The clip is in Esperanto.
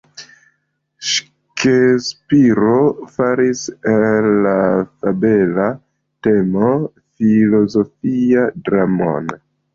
Ŝekspiro faris el la fabela temo filozofian dramon.